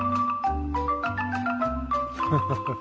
フフフッ